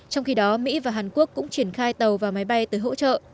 trong khi đó mỹ và hàn quốc cũng triển khai tàu và máy bay tới hỗ trợ